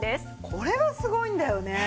これがすごいんだよね。